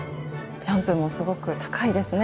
ジャンプもすごく高いですね。